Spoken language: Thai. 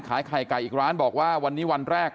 ขายไข่ไก่อีกร้านบอกว่าวันนี้วันแรก